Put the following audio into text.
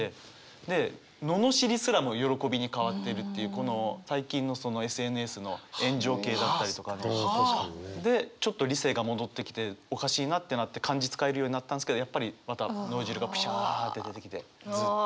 でののしりすらも喜びに変わっているっていうこの最近のＳＮＳの炎上系だったりとかの。でちょっと理性が戻ってきておかしいなってなって漢字使えるようになったんですけどやっぱりまた脳汁がプシャって出てきてずっと。